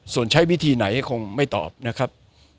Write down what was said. ส่วนใช้วิธีไหนคงไม่ตอบนะครับ